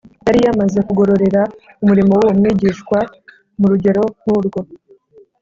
yari yamaze kugororera umurimo w’uwo mwigishwa mu rugero nk’urwo